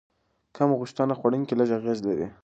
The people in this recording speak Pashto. کم غوښه خوړونکي لږ اغېز لري.